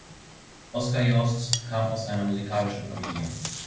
Oskar Joost kam aus einer musikalischen Familie.